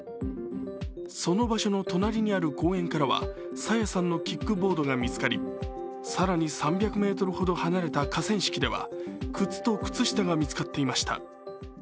その場所の隣にある公園からは朝芽さんのキックボードが見つかり更に３００ｍほど離れた河川敷では靴と靴下が見つかっていました。